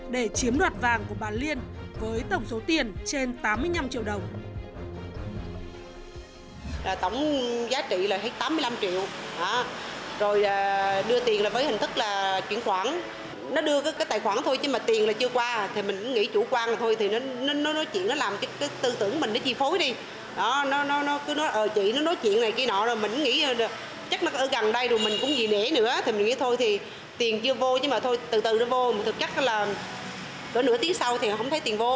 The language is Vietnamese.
để chiếm đoạt vàng của bà liên với tổng số tiền trên tám mươi năm triệu đồng